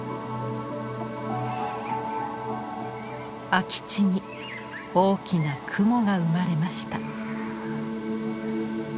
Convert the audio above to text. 空き地に大きな雲が生まれました。